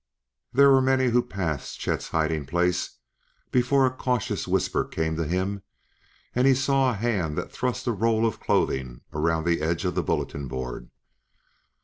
There were many who passed Chet's hiding place before a cautious whisper came to him and he saw a hand that thrust a roll of clothing around the edge of the bulletin board.